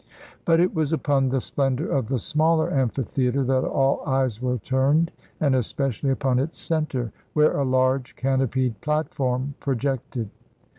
But it was upon the splendor of the smaller amphi theater that all eyes were turned, and especially upon its center, where a large, canopied platform projected.